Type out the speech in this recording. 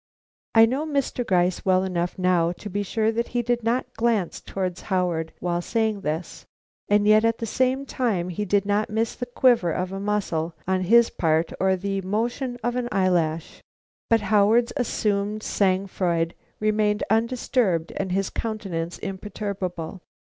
I know Mr. Gryce well enough now to be sure that he did not glance towards Howard while saying this, and yet at the same time that he did not miss the quiver of a muscle on his part or the motion of an eyelash. But Howard's assumed sang froid remained undisturbed and his countenance imperturbable.